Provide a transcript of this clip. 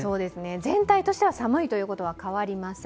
全体としては寒いということは変わりません。